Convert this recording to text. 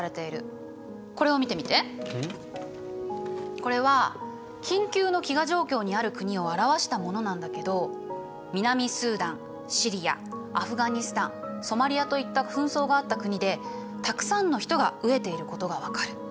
これは緊急の飢餓状況にある国を表したものなんだけど南スーダンシリアアフガニスタンソマリアといった紛争があった国でたくさんの人が飢えていることが分かる。